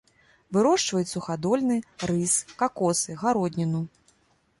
Вырошчваюць сухадольны рыс, какосы, гародніну.